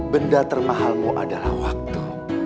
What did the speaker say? benda termahalmu adalah waktu